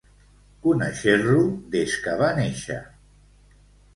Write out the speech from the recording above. Conèixer-lo des que va néixer.